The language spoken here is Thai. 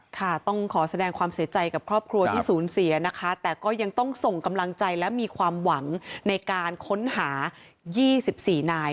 ค่ะต้องขอแสดงความเสียใจกับครอบครัวที่สูญเสียนะคะแต่ก็ยังต้องส่งกำลังใจและมีความหวังในการค้นหา๒๔นาย